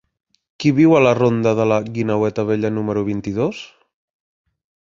Qui viu a la ronda de la Guineueta Vella número vint-i-dos?